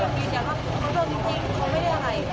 เราไม่รู้ว่าเขาโขหกหรืออะไรอย่างนั้น